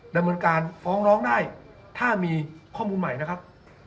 ดำเนินการฟ้องร้องได้ถ้ามีข้อมูลใหม่นะครับ